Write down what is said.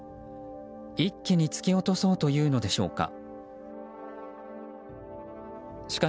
一気に突き落とそうというのでしょうか。